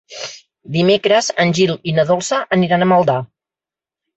Dimecres en Gil i na Dolça aniran a Maldà.